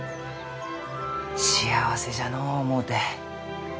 幸せじゃのう思うて。